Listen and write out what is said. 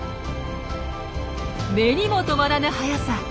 目にも留まらぬ速さ。